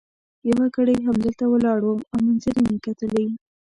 یو ګړی همدلته ولاړ وم او منظرې مي کتلې.